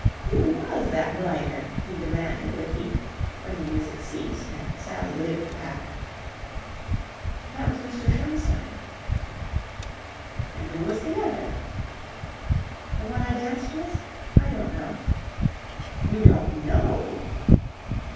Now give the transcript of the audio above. "Who was that blighter?" he demanded with heat, when the music ceased and Sally limped back. "That was Mr. Schoenstein." "And who was the other?" "The one I danced with? I don't know." "You don't know?"